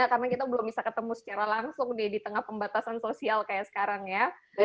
karena kita belum bisa ketemu secara langsung nih di tengah pembatasan sosial kayak sekarang ya